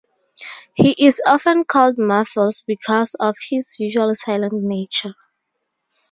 He is often called "Muffles" because of his usually silent nature.